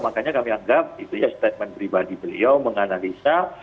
makanya kami anggap itu ya statement pribadi beliau menganalisa